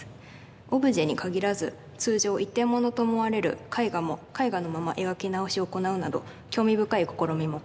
オブジェに限らず通常一点物と思われる絵画も絵画のまま描き直しを行うなど興味深い試みも行っています。